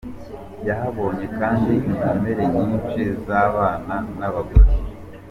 Yahabonye kandi inkomere nyinshi z’abana n’abagore.